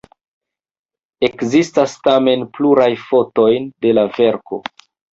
Ekzistas tamen pluraj fotoj de la verko.